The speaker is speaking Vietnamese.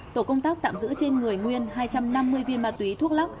tổ công tác tạm giữ trên người nguyên hai trăm năm mươi viên ma túy thuốc lắc